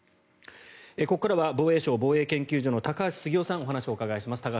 ここからは防衛省防衛研究所の高橋杉雄さんにお話をお伺いします。